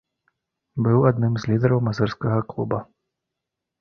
Быў адным з лідараў мазырскага клуба.